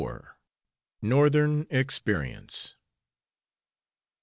NORTHERN EXPERIENCE.